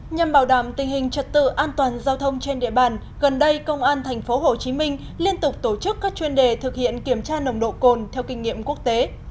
nhằm bảo đảm tình hình trật tự an toàn giao thông trên địa bàn gần đây công an tp hcm liên tục tổ chức các chuyên đề thực hiện kiểm tra nồng độ cồn theo kinh nghiệm quốc tế